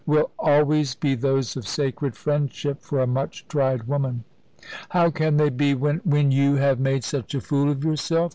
"Will always be those of sacred friendship for a much tried woman." "How can they be, when ?" "When you have made such a fool of yourself?